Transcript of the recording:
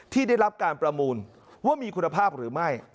ที่ได้รับการประมูลว่ามีคุณภาพหรือไม่